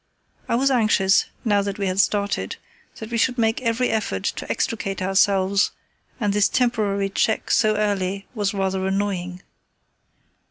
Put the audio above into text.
I was anxious, now that we had started, that we should make every effort to extricate ourselves, and this temporary check so early was rather annoying.